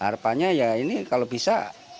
harapannya ya ini kalau bisa